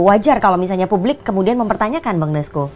wajar kalau misalnya publik kemudian mempertanyakan bang nesco